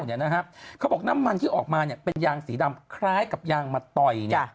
เขาบอกน้ำมันที่ออกมาเป็นยางสีดำคล้ายกับยางมะตอย